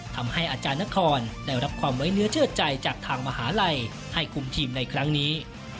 ทำให้อาจารย์นครได้รับความไว้เนื้อเชื่อใจจากทางมหาลัยให้คุมทีมในครั้งนี้